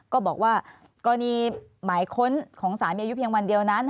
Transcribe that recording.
ก็บอกว่ากรณีหมายค้นของสารมีอายุเพียงวันเดียวนั้น